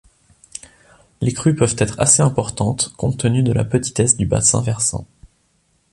Les crues peuvent être assez importantes compte tenu de la petitesse du bassin versant.